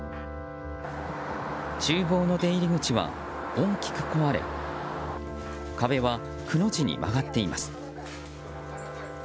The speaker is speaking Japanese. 厨房の出入り口は大きく壊れ壁は、くの字に曲がっています。